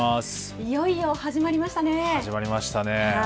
いよいよ始まりましたね。